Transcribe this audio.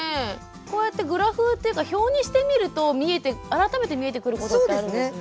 こうやってグラフっていうか表にしてみると改めて見えてくることってあるんですね。